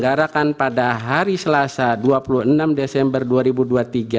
berita terkini mengenai penyelidikan tsmercoga ghost triangle dua